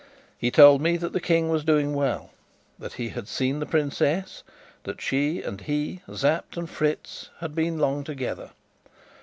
He told me that the King was doing well, that he had seen the princess; that she and he, Sapt and Fritz, had been long together.